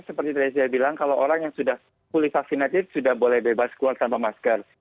seperti tadi saya bilang kalau orang yang sudah pulih vaksinatif sudah boleh bebas keluar tanpa masker